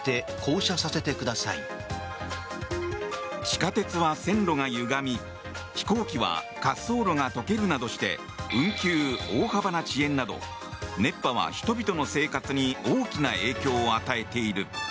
地下鉄は線路がゆがみ飛行機は滑走路が溶けるなどして運休、大幅な遅延など熱波は人々の生活に大きな影響を与えている。